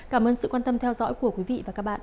cảm ơn sự quan tâm theo dõi